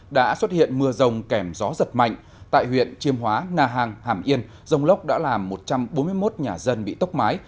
đã xuất hiện mưa rông kèm gió giật mạnh tại huyện chiêm hóa na hàng hàm yên rông lốc đã làm một trăm bốn mươi một nhà dân bị tốc mái